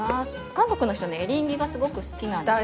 韓国の人ね、エリンギがすごく好きなんですよ。